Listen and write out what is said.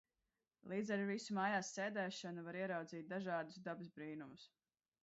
Līdz ar visu mājās sēdēšanu var ieraudzīt dažādus dabas brīnumus.